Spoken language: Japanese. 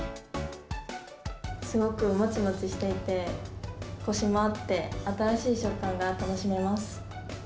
すごくもちもちしていて、こしもあって、新しい食感が楽しめます。